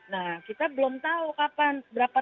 nah kita belum tahu kapan berapa